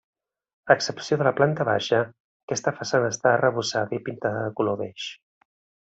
A excepció de la planta baixa, aquesta façana està arrebossada i pintada de color beix.